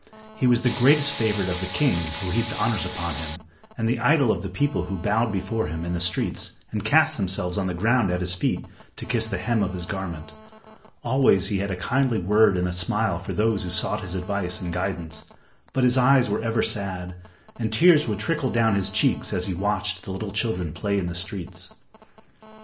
He was the greatest favorite of the king who heaped honors upon him, and the idol of the people who bowed before him in the streets and cast themselves on the ground at his feet to kiss the hem of his garment. Always he had a kindly word and a smile for those who sought his advice and guidance, but his eyes were ever sad, and tears would trickle down his cheeks as he watched the little children at play in the streets.